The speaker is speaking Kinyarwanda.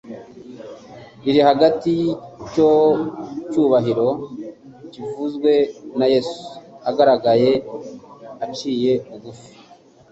riri hagati y'icyo cyubahiro kivuzwe na Yesu ugaragaye aciye bugufi.